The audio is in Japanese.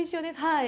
はい